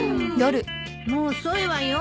もう遅いわよ。